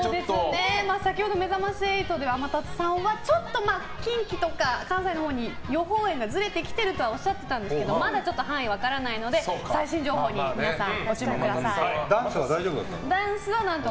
先ほど「めざまし８」では天達さんはちょっと近畿とか関西のほうに予報円がずれてきてるとはおっしゃってたんですけどまだちょっと範囲分からないので最新情報に皆さんダンスは大丈夫だったの？